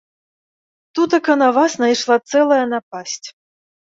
Тутака на вас найшла цэлая напасць.